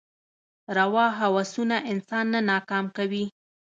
روا هوسونه انسان نه ناکام کوي.